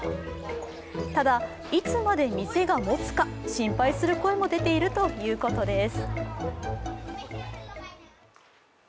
ただ、いつまで店がもつか心配する声も出ているということです。